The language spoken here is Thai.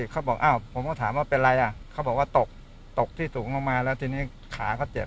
เขาบอกอ้าวผมก็ถามว่าเป็นอะไรอ่ะเขาบอกว่าตกตกที่สูงลงมาแล้วทีนี้ขาก็เจ็บ